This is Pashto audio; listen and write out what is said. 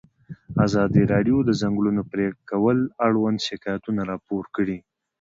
ازادي راډیو د د ځنګلونو پرېکول اړوند شکایتونه راپور کړي.